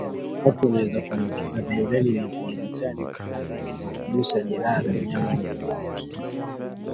Watu wanaweza kuambukizwa vidoleni na viganjani kwa kugusa jeraha la mnyama mwenye maambukizi